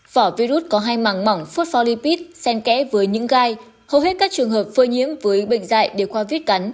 phỏ virus có hai mảng mỏng phốt pho lipid sen kẽ với những gai hầu hết các trường hợp phơi nhiễm với bệnh dạy đều qua viết cắn